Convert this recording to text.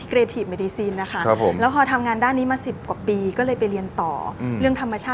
ก็เลยอยากจะแต่งอารมณ์แบบคือไม่ได้ฟาร์มจ๋า